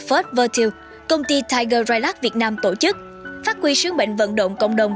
first virtue công ty tiger railac việt nam tổ chức phát quy sướng mệnh vận động công đồng